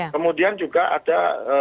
kemudian juga ada